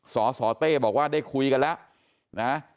สสเต้บอกว่าได้คุยกันแล้วนะ